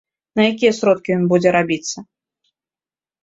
На якія сродкі ён будзе рабіцца?